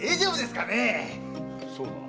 そうだな。